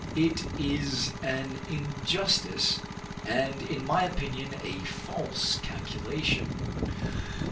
It is an injustice, and in my opinion, a false calculation.